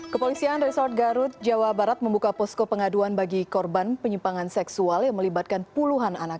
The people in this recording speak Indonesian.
kepolisian resort garut jawa barat membuka posko pengaduan bagi korban penyimpangan seksual yang melibatkan puluhan anak